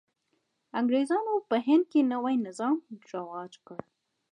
انګرېزانو په هند کې نوی نظام رواج کړ.